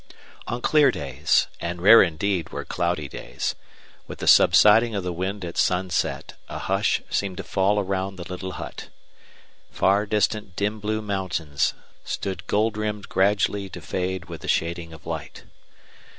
On clear days and rare indeed were cloudy days with the subsiding of the wind at sunset a hush seemed to fall around the little hut. Far distant dim blue mountains stood gold rimmed gradually to fade with the shading of light.